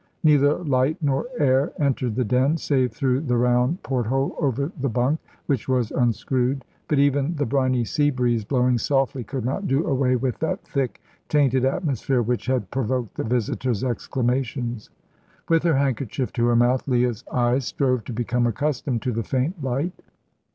Neither light nor air entered the den, save through the round port hole over the bunk, which was unscrewed. But even the briny sea breeze blowing softly could not do away with that thick, tainted atmosphere which had provoked the visitor's exclamations. With her handkerchief to her mouth Leah's eyes strove to become accustomed to the faint light.